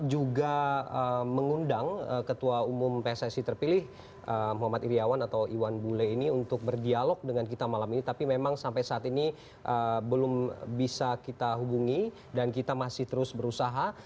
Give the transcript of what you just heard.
jadi kita mengundang ketua umum pssc terpilih muhammad iryawan atau iwan bule ini untuk berdialog dengan kita malam ini tapi memang sampai saat ini belum bisa kita hubungi dan kita masih terus berusaha